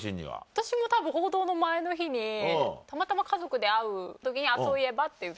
私もたぶん報道の前の日にたまたま家族で会う時に「あっそういえば」って言って。